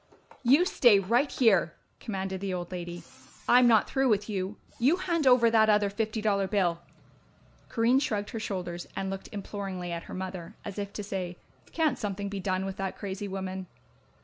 "You stay right here!" commanded the old lady. "I'm not through with you. You hand over that other fifty dollar bill!" Corinne shrugged her shoulders and looked imploringly at her mother, as if to say, "Can't something be done with that crazy woman?"